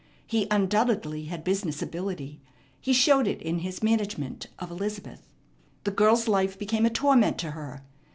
He undoubtedly had business ability. He showed it in his management of Elizabeth. The girl's life became a torment to her.